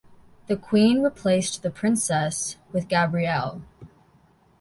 The Queen replaced the princess with Gabrielle.